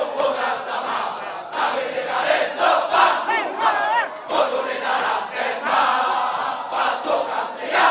pasang besar dalam maputra